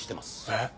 えっ！？